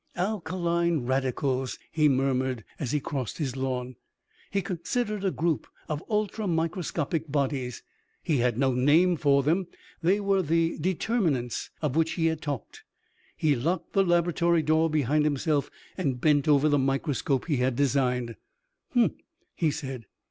"Alkaline radicals," he murmured as he crossed his lawn. He considered a group of ultra microscopic bodies. He had no name for them. They were the "determinants" of which he had talked. He locked the laboratory door behind himself and bent over the microscope he had designed. "Huh!" he said.